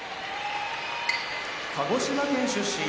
鹿児島県出身